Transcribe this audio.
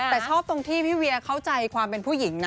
แต่ชอบตรงที่พี่เวียเข้าใจความเป็นผู้หญิงนะ